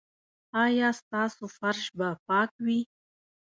ایا ستاسو فرش به پاک وي؟